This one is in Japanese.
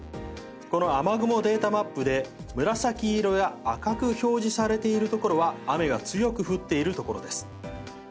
この雨雲データマップで紫色や赤く表示されているところは雨が強く降っているところです。